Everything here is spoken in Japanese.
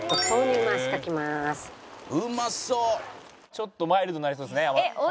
ちょっとマイルドになりそうですね辛さが。